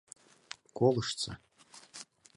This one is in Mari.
Колыштса!